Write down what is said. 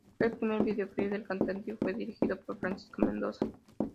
Fue el primer videoclip del cantante, y fue dirigido por Francisco Mendoza.